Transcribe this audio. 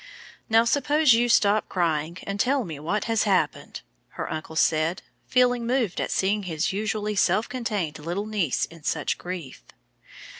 "Now suppose you stop crying, and tell me what has happened!" her uncle said, feeling moved at seeing his usually self contained little niece in such grief.